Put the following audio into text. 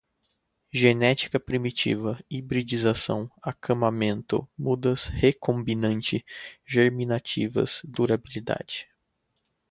genética primitiva, hibridização, acamamento, mudas, recombinante, germinativas, durabilidade